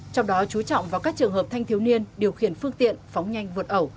trong đó chú trọng vào các trường hợp thanh thiếu niên điều khiển phương tiện phóng nhanh vượt ẩu